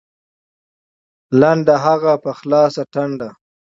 لنډه هغه په خلاصه ټنډه